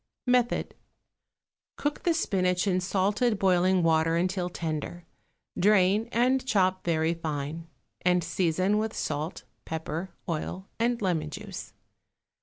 Method. Cook the spinach in salted boiling water until tender; drain, and chop very fine, and season with salt, pepper, oil and lemon juice.